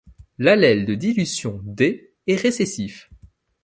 L’allèle de dilution d est récessif.